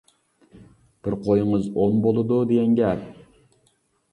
بىر قويىڭىز ئون بولىدۇ دېگەن گەپ.